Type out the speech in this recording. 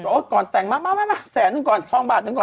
โอ้ก่อนแต่งมาแสนนึงก่อนทองบาทหนึ่งก่อน